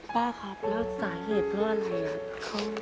ป้าครับแล้วสาเหตุเพื่อนอะไร